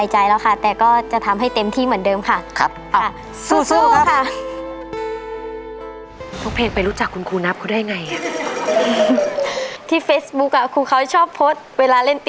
ห้าเต้นติ๊กต๊อกอยากเห็นห้า